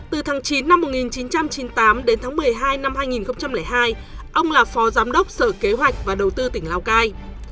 từ tháng chín năm một nghìn chín trăm chín mươi tám đến tháng một mươi hai năm hai nghìn hai ông là phó giám đốc sở kế hoạch và đầu tư tỉnh lào cai